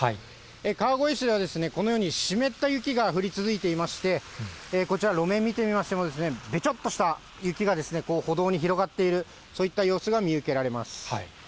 川越市では、このように湿った雪が降り続いていまして、こちら、路面見てみましても、べちょっとした雪が歩道に広がっている、そういった様子が見受けられます。